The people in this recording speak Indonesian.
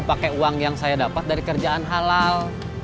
pakai uang yang saya dapat dari kerjaan halal